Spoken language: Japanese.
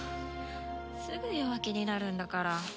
すぐ弱気になるんだから。